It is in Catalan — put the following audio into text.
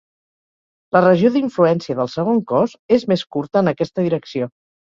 La regió d'influència del segon cos és més curta en aquesta direcció.